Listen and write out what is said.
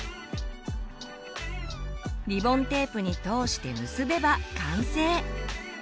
リボンテープに通して結べば完成。